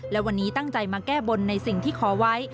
และวันนี้ตั้งใจมาแก้บนในสิ่งที่ขอไว้